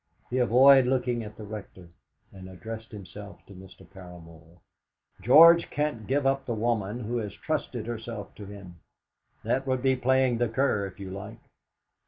He avoided looking at the Rector, and addressed himself to Mr. Paramor. "George can't give up the woman who has trusted herself to him; that would be playing the cur, if you like.